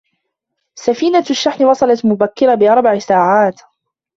سفينة الشحن وصلت مبكرة باربع ساعات.